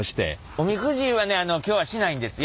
おみくじはね今日はしないんですよ。